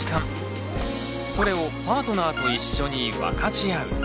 それをパートナーと一緒に分かち合う。